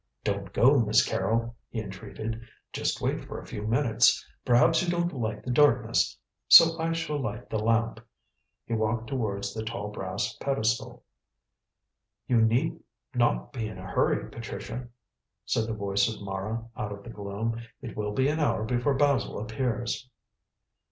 "Don't go, Miss Carrol," he entreated, "just wait for a few minutes. Perhaps you don't like the darkness, so I shall light the lamp." He walked towards the tall brass pedestal. "You need not be in a hurry, Patricia," said the voice of Mara out of the gloom, "it will be an hour before Basil appears."